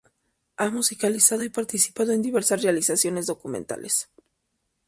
Ha musicalizado y participado en diversas realizaciones documentales.